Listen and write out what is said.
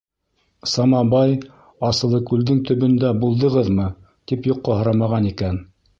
Самабай, Асылыкүлдең төбөндә булдығыҙмы, тип юҡҡа һорамаған икән.